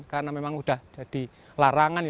karena memang sudah jadi larangan